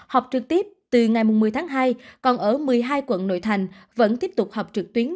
học trực tiếp từ ngày một mươi tháng hai còn ở một mươi hai quận nội thành vẫn tiếp tục học trực tuyến